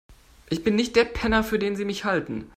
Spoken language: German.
Ich bin nicht der Penner, für den Sie mich halten.